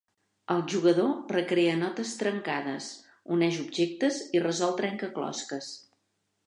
El jugador recrea notes trencades, uneix objectes i resol trencaclosques.